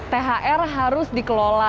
thr harus dikelola